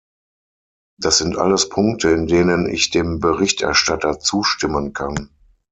Das sind alles Punkte, in denen ich dem Berichterstatter zustimmen kann.